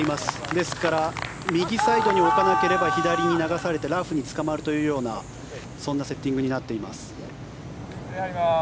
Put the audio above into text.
ですから右サイドに置かなければ左に流されてラフにつかまるというようなそんなセッティングになっています。